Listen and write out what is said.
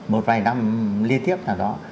một vài năm liên tiếp nào đó